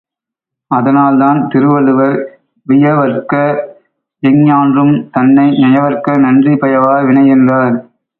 அதனால் தான் திருவள்ளுவர், வியவற்க எஞ்ஞான்றும் தன்னை நயவற்க நன்றி பயவா வினை என்றார்.